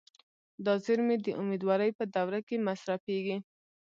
دا زیرمې د امیدوارۍ په دوره کې مصرفېږي.